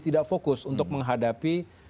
tidak fokus untuk menghadapi